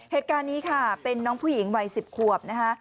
เหตุการณ์นี้ค่ะเป็นน้องผู้หญิงวัย๑๐ขวบนะคะ